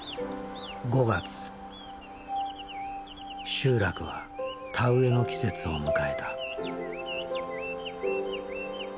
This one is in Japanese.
集落は田植えの季節を迎えた。